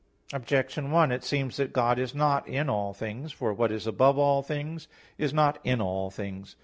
Objection 1: It seems that God is not in all things. For what is above all things is not in all things.